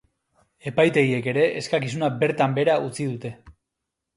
Epaitegiek ere, eskakizuna bertan behera utzi dute.